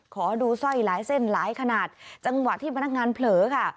ขอดูสร้อยหลายเส้นหลายขนาดจังหวะที่พนักงานเผลอค่ะ